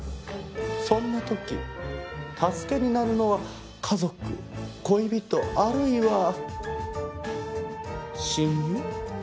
そんな時助けになるのは家族恋人あるいは親友？